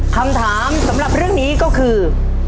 คำถามสำหรับเรื่องนี้ก็คือ